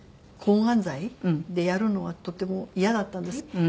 抗がん剤でやるのはとても嫌だったんです。